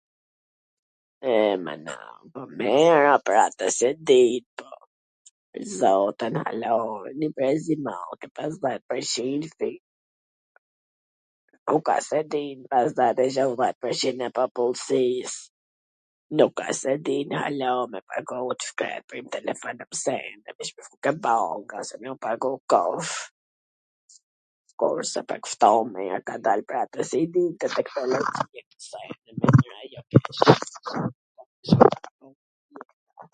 e, mana, po mir a pwr atw s e di .... ku ka s e din pesdhjet pwr qin e popullsis nuk a se din ala me pagu ...